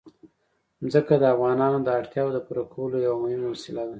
ځمکه د افغانانو د اړتیاوو د پوره کولو یوه مهمه وسیله ده.